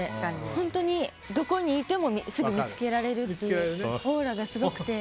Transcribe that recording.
本当にどこにいてもすぐ見つけられるというオーラがすごくて。